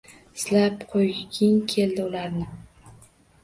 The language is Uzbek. Silab qo’yging keldi ularni.